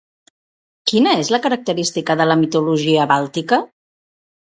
Quina és la característica de la mitologia bàltica?